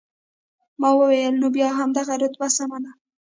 ما وویل، نو بیا همدغه رتبه سمه ده.